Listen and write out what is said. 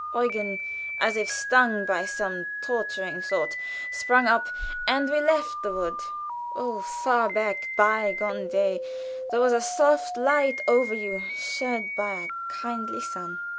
Eugen, as if stung by some tormenting thought, sprung up and we left the wood. Oh, far back, by gone day! There was a soft light over you shed by a kindly sun.